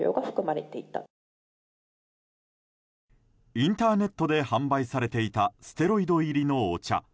インターネットで販売されていたステロイド入りのお茶。